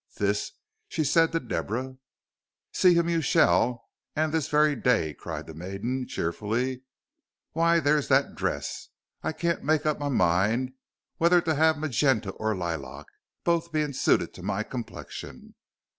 This she said to Deborah. "See him you shall, and this very day," cried the maiden, cheerfully. "Why, there's that dress. I can't make up my mind whether to have magenter or liliac, both being suited to my complexion.